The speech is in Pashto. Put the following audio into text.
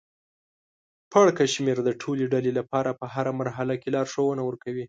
پړکمشر د ټولې ډلې لپاره په هره مرحله کې لارښوونه ورکوي.